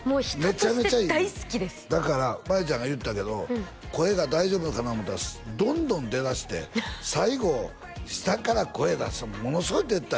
めちゃめちゃいいのよだからマリちゃんが言うてたけど声が大丈夫なのかなと思ったらどんどん出だして最後下から声出すのもものすごい出てた